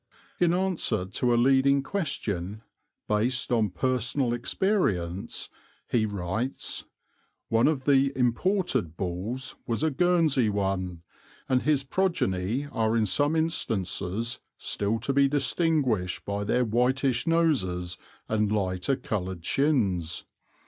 In answer to a leading question, based on personal experience, he writes: "One of the bulls (imported) was a Guernsey one; and his progeny are in some instances still to be distinguished by their whitish noses and lighter coloured shins.